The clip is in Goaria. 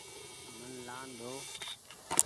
مني لآن ۮئو۔